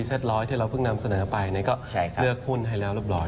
เท่าแบบว่าเราเพิ่งนำเสนอไปก็เลือกขุนให้แล้วรึเปล่า